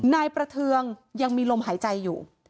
นายประเทืองยังมีลมหายใจอยู่